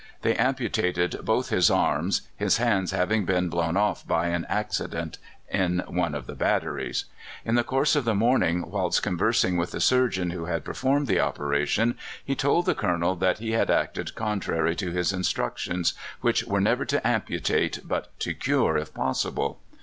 They amputated both his arms, his hands having been blown off by an accident in one of the batteries. In the course of the morning, whilst conversing with the surgeon who had performed the operation, he told the Colonel that he had acted contrary to his instructions, which were never to amputate, but to cure if possible.